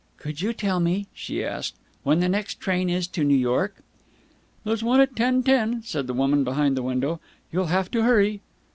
"Could you tell me," she asked, "when the next train is to New York?" "There's one at ten ten," said the woman behind the window. "You'll have to hurry."